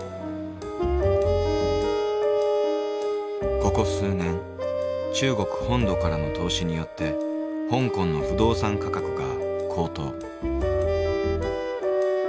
ここ数年中国本土からの投資によって香港の不動産価格が高騰。